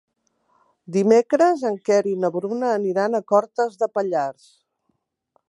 Dimecres en Quer i na Bruna aniran a Cortes de Pallars.